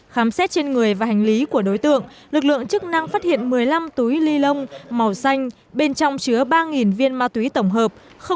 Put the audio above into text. khám xét trên người và hành lý của đối tượng lực lượng chức năng phát hiện một mươi năm túi ni lông màu xanh bên trong chứa ba viên ma túy tổng hợp